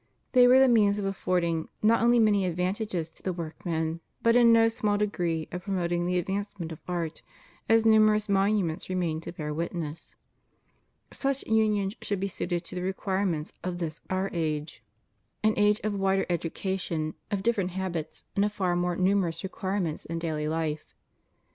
They were the means of affording not only many advantages to the workmen, but in no small degree of promoting the advancement of art, as numerous monuments remain to bear witness. Such unions should be suited to the requirements of this our a^e — an age of CONDITION OF THE WORKING CLASSES. 239 wider education, of different habits, and of far more numerous requirements in daily life.